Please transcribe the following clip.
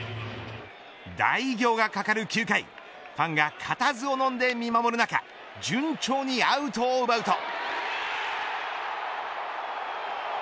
大偉業がかかる９回ファンがかたずをのんで見守る中順調にアウトを奪うと。